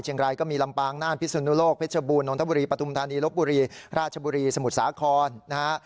เชียงไรก็มีลำปางน่านพิษธนุโลกพิชบูรณ์นทบุรีปฏุมธารีย์ลบบุรีราชบุรีสมุทรสาคอน